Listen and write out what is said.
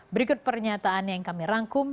berikut pernyataan yang kami rangkum